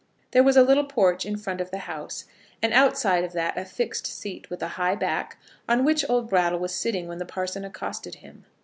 There was a little porch in front of the house, and outside of that a fixed seat, with a high back, on which old Brattle was sitting when the parson accosted him.